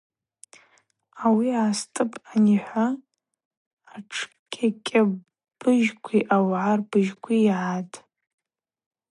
Ауи гӏастӏыпӏ анихӏва атшкӏькӏьбыжькви ауагӏа рбыжькви йагӏатӏ.